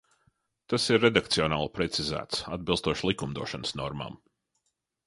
Tas ir redakcionāli precizēts atbilstoši likumdošanas normām.